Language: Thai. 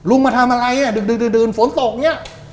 อุงมาทำอะไรถึงสมดุ่นสมดุ่นฝนตกเนี่ย